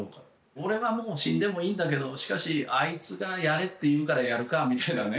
俺はもう死んでもいいんだけどしかしあいつがやれって言うからやるかみたいなね。